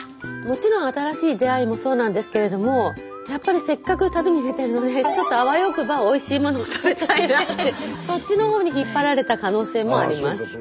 もちろん新しい出会いもそうなんですけれどもやっぱりせっかく旅に出てるのであわよくばおいしいものを食べたいなってそっちの方に引っ張られた可能性もあります。